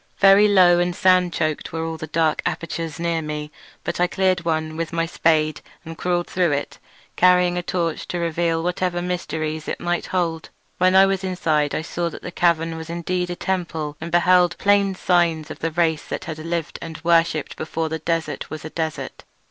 Very low and sand choked were all of the dark apertures near me, but I cleared one with my spade and crawled through it, carrying a torch to reveal whatever mysteries it might hold. When I was inside I saw that the cavern was indeed a temple, and beheld plain signs of the race that had lived and worshipped before the desert was a desert.